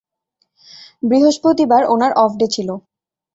বৃহস্পতিবার, ওনার off day ছিল।